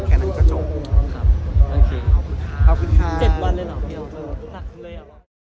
แค่นั้นจะจบครับโอเคขอบคุณค่ะเจ็บวันเลยเหรอเดี๋ยวนักเลย